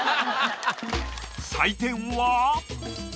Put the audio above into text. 採点は。